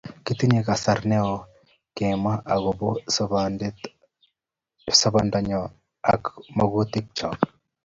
Kitinye kasar ne o kemwa akopo sobennyo ak magutik chok